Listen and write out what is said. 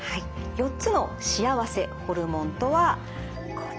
４つの幸せホルモンとはこちら。